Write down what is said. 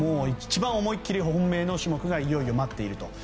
一番思い切り本命の種目がいよいよ待っていると。